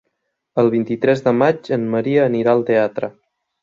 El vint-i-tres de maig en Maria anirà al teatre.